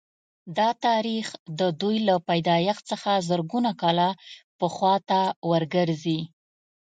دا تاریخ د دوی له پیدایښت څخه زرګونه کاله پخوا ته ورګرځي